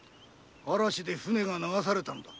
嵐で船が流されたのだ。